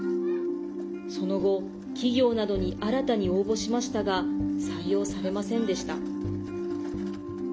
その後、企業などに新たに応募しましたが採用されませんでした。